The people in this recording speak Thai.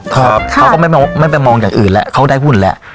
เขาก็ไม่มองแบบอื่นแหละเขาก็ได้หุ้นแหละ